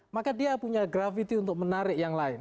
maka dia punya gravity untuk menarik yang lain